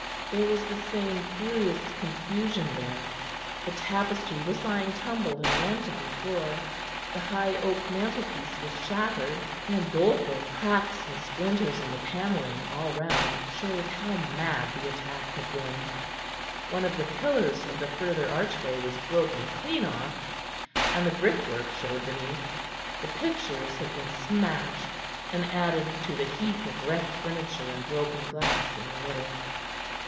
There was the same furious confusion there; the tapestry was lying tumbled and rent on the floor the high oak mantelpiece was shattered, and doleful cracks and splinters in the panelling all round showed how mad the attack had been; one of the pillars of the further archway was broken clean off, and the brickwork showed behind; the pictures had been smashed and added to the heap of wrecked furniture and broken glass in the middle.